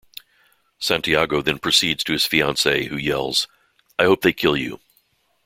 Santiago then proceeds to his fiancee, who yells, ...I hope they kill you!